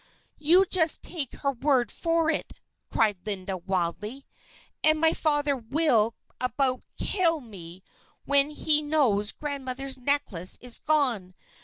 "You just take her word for it!" cried Linda, wildly. "And my father will about kill me when he knows grandmother's necklace is gone.